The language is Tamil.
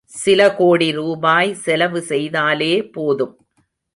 சில கோடி ரூபாய் செலவு செய்தாலே போதும்!